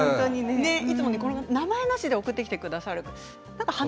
いつも名前なしで送ってきてくださるんです。